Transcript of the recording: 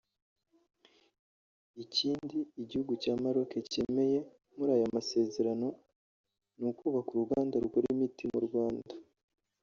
Ikindi igihugu cya Maroc cyemeye muri aya masezerano ni ukubaka uruganda rukora imiti mu Rwanda